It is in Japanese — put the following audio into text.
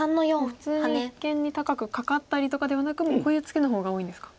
普通に一間に高くカカったりとかではなくこういうツケの方が多いんですか。